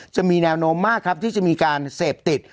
จะมีแนวโน้มมากครับที่จะมีการเสพติด